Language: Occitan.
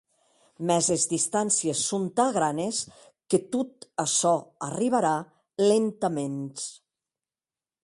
Mès es distàncies son tan granes que tot açò arribarà lentaments.